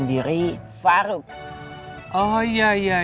baik kalau begitu